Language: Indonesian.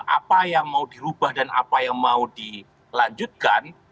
apa yang mau dirubah dan apa yang mau dilanjutkan